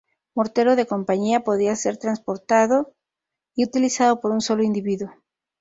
Mortero de compañía, podía ser transportado y utilizado por un solo individuo.